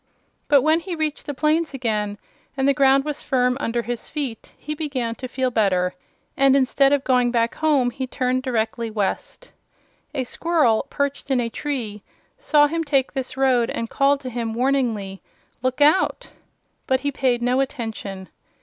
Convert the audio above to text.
But when he reached the plains again and the ground was firm under his feet he began to feel better, and instead of going back home he turned directly west. A squirrel, perched in a tree, saw him take this road and called to him warningly: "Look out!" But he paid no attention.